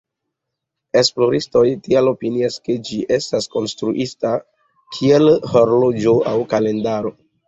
Esploristoj tial opinias, ke ĝi estis konstruita kiel horloĝo aŭ kalendaro.